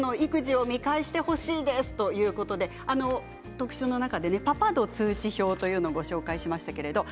特集の中でパパ度通知表というものをご紹介しました。